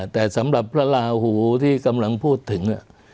แต่สำหรับพระราหูที่กำลังพูดถึง